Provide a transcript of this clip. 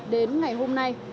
đến ngày hôm nay